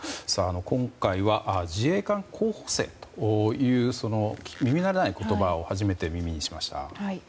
今回は自衛官候補生という耳慣れない言葉を初めて耳にしました。